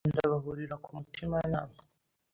Abanyarwanda bahurira ku mutima nama